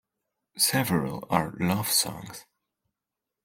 Several are love songs.